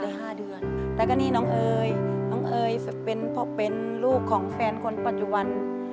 แล้วก็นี่น้องเอ๋ยน้องเอ๋ยเป็นลูกของแฟนคนปัจจุบัน